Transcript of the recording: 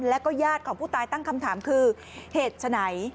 แล้วก็ญาติของผู้ตายตั้งคำถามคือเหตุฉะไหน